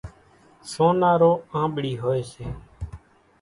سونارو آنٻڙِي هوئيَ سي۔